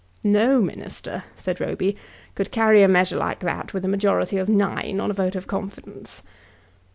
"No minister," said Roby, "could carry a measure like that with a majority of nine on a vote of confidence!"